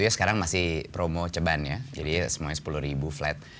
sekarang masih promo ceban ya jadi semuanya rp sepuluh flat